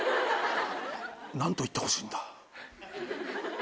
なんと言ってほしいんだ。